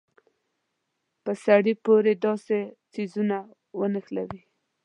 په سړي پورې داسې څيزونه نښلوي.